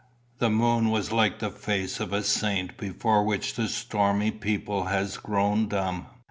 The moon was like the face of a saint before which the stormy people has grown dumb.